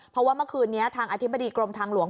เพราะว่าเมื่อคืนนี้ทางอธิบดีกรมทางหลวง